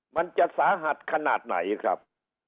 มันจะสาหัสขนาดไหนครับ